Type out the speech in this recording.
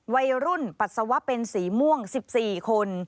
วัยรุ่นปัสสาวะเป็นสีม่วง๑๔คน